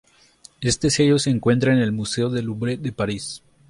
Este sello se encuentra en el museo del Louvre de París.